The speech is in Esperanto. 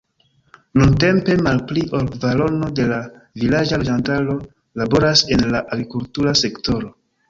Nuntempe malpli ol kvarono de la vilaĝa loĝantaro laboras en la agrikultura sektoro.